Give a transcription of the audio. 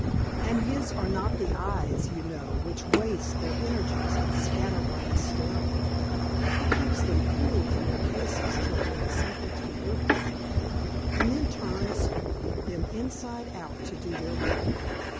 And his are not the eyes, you know, which waste their energies in scatter brained staring. He keeps them cool in their cases till there is something to be looked at, and then turns them inside out to do their work.